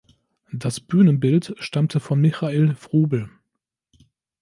Das Bühnenbild stammte von Michail Wrubel.